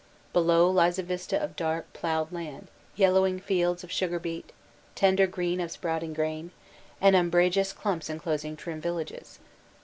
Below lies a vista of dark plowed land, yellowing fields of sugar beet, tender green of sprouting grain, and umbrageous clumps enclosing trim villages.